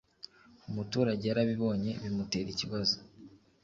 umuturage yarabibonye bimutera ikibazo